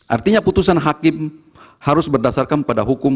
artinya putusan hakim harus berdasarkan pada hukum